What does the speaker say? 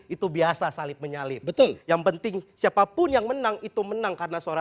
itu biasa salib menyalip betul yang penting siapapun yang menang itu menang karena suara